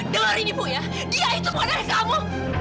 dengar ini buya dia itu mau dari kamu